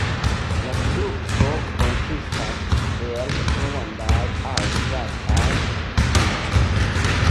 La frukto konsistas el rondaj aŭ plataj guŝoj.